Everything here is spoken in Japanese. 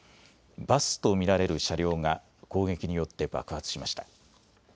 バスと見られる車両が攻撃によって爆発しました。